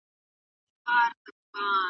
کايتانوموسکا پر ټولنيز واک ډېر ټينګار کاوه.